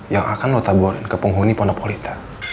yang akan lo taburin ke penghuni ponopolita